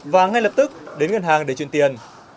và ngay lập tức đến ngân hàng để truyền tiền